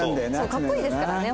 かっこいいですからね